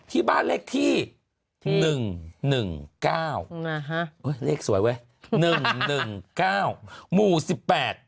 ที่บ้านเลขที่๑๑๙อศูนย์๑๘